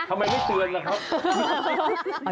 ทำไมไม่เตือนล่ะครับ